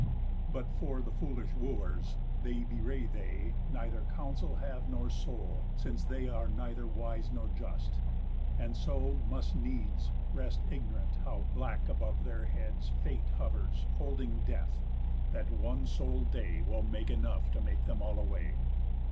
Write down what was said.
But for the foolish Wooers, they bewray They neither counsel have nor soul, since they Are neither wise nor just, and so must needs Rest ignorant how black above their heads Fate hovers holding Death, that one sole day Will make enough to make them all away.